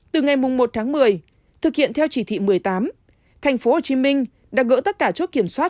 từ ngày một tháng một mươi thực hiện theo chỉ thị một mươi tám tp hcm đã gỡ tất cả chốt kiểm soát